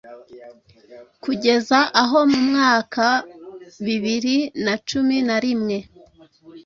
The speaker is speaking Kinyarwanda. kujyeza aho mu mwaka bibiri na cumi na rimwe